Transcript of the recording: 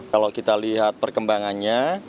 kalau kita lihat perkembangannya